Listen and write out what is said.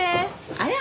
あら！